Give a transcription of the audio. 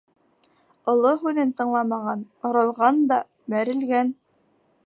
Оло һүҙен тыңламаған оролған да бәрелгән.